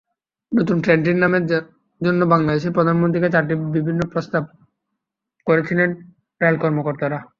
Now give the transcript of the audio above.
নতুন ট্রেনটির নামের জন্য বাংলাদেশের প্রধানমন্ত্রীকে চারটি ভিন্ন নাম প্রস্তাব করেছিলেন রেল কর্মকর্তারা।